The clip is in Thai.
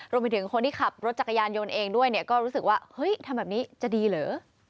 รวมไปถึงคนที่ขับรถจักรยานยนต์เองด้วยเนี่ยก็รู้สึกว่าเฮ้ยทำแบบนี้จะดีเหรอ